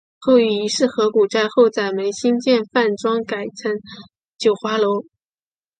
后与邰氏合股在后宰门兴建饭庄改称九华楼。